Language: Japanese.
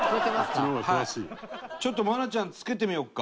伊達：ちょっと、愛菜ちゃんつけてみようか。